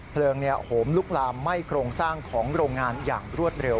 โหมลุกลามไหม้โครงสร้างของโรงงานอย่างรวดเร็ว